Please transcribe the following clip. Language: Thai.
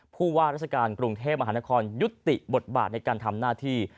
ผู้ว่าราชการกรุงเทพมหานครยุติบทบาทในการทำหน้าที่